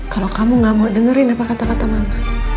kalo kamu nggak mau dengerin apa kata kata mama